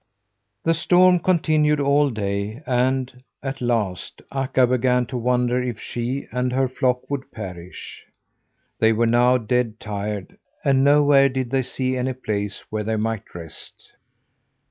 The storm continued all day, and, at last, Akka began to wonder if she and her flock would perish. They were now dead tired, and nowhere did they see any place where they might rest.